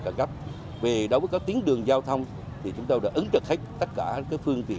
cẩn cấp về đối với có tiến đường giao thông thì chúng ta đã ứng chật hết tất cả cái phương